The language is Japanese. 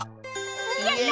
やった！